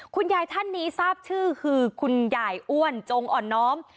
คุณยายท่านนี้ทราบชื่อคือคุณยายอ้วนจงอ่อนน้อม